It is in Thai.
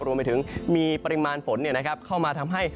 รวมไปถึงมีปริมาณฝนเข้ามาทำให้